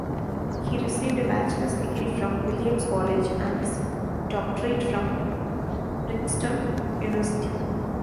He received a bachelor's degree from Williams College, and his doctorate from Princeton University.